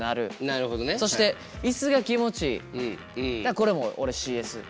これも俺ＣＳ。